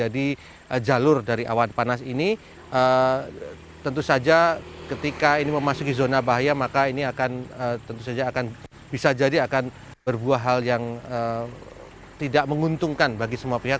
jalur dari awan panas ini tentu saja ketika ini memasuki zona bahaya maka ini akan tentu saja akan bisa jadi akan berbuah hal yang tidak menguntungkan bagi semua pihak